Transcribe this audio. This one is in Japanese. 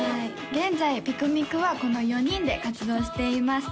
現在ピクミクはこの４人で活動しています